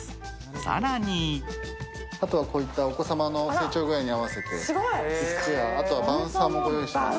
更にあとは、こういったお子様の成長具合に合わせて、椅子やバウンサーもご用意しております。